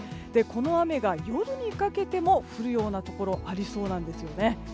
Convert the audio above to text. この雨が夜にかけても降るところありそうなんですよね。